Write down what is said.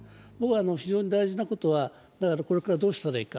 非常に大事なことは、これからどうしたらいいか。